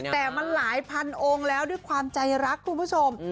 แต่มันหลายพันองค์แล้วด้วยความใจรักคุณผู้ชม